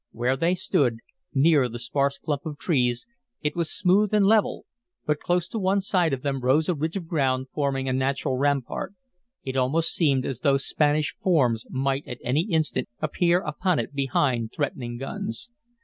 Where they stood, near the sparse clump of trees, it was smooth and level, but close to one side of them rose a ridge of ground forming a natural rampart. It almost seemed as though Spanish forms might at any instant appear upon it behind threatening guns.